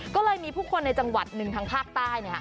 ก็เลยมีผู้คนในจังหวัดหนึ่งทางภาคใต้